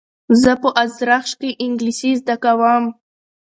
زه په ازرخش کښي انګلېسي زده کوم.